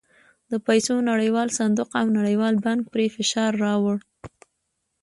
د پیسو نړیوال صندوق او نړیوال بانک پرې فشار راووړ.